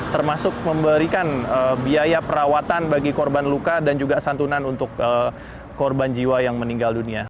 termasuk memberikan biaya perawatan bagi korban luka dan juga santunan untuk korban jiwa yang meninggal dunia